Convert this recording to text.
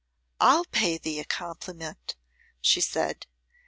"I'll pay thee a compliment," she said.